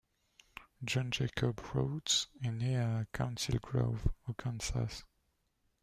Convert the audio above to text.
John Jacob Rhodes est né à Council Grove au Kansas.